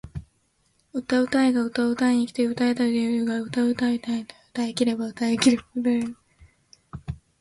歌うたいが歌うたいに来て歌うたえと言うが歌うたいが歌うたうだけうたい切れば歌うたうけれども歌うたいだけ歌うたい切れないから歌うたわぬ！？